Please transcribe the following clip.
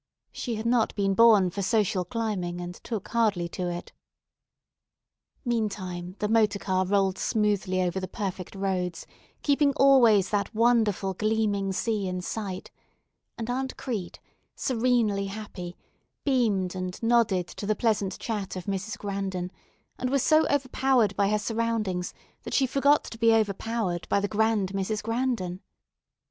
She had not been born for social climbing, and took hardly to it. Meantime the motor car rolled smoothly over the perfect roads, keeping always that wonderful gleaming sea in sight; and Aunt Crete, serenely happy, beamed and nodded to the pleasant chat of Mrs. Grandon, and was so overpowered by her surroundings that she forgot to be overpowered by the grand Mrs. Grandon.